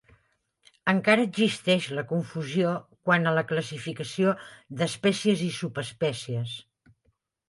Encara existeix la confusió quant a la classificació d'espècies i subespècies.